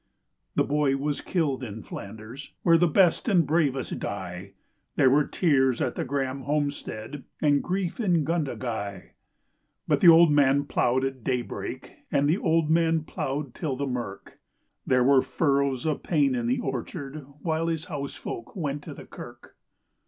The boy was killed in Flanders, where the best and bravest die. There were tears at the Grahame homestead and grief in Gundagai ; But the old man ploughed at daybreak and the old man ploughed till the mirk There were furrows of pain in the orchard while his household went to the kirk.